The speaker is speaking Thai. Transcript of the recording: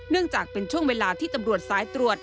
จากเป็นช่วงเวลาที่ตำรวจสายตรวจ